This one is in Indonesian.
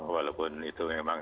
walaupun itu memang